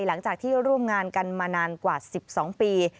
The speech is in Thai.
หลังจากที่ร่วมงานกันมานานกว่า๑๒ปี